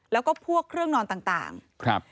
แล้วก็พวกเครื่องนอนต่าง